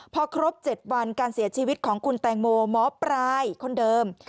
พอครบ๗วันการเสียชีวิตของคุณแตงโมหมอปลายคนเดิม